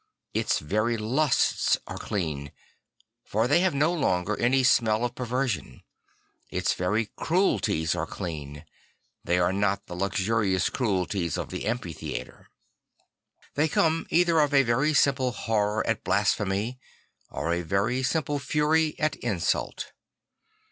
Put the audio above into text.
Its very lusts are clean; for they have no longer any smell of perversion. Its very cruelties are clean; they are not the luxurious cruelties of the amphitheatre. They come either of a very simple horror at blasphemy or a very simple fury at insult.